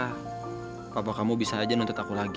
apa apa kamu bisa aja nuntut aku lagi